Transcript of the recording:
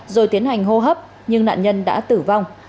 rồi tiến hành hô hấp nhưng nạn nhân đã tử vong